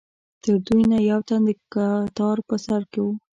له دوی نه یو تن د کتار په سر کې و.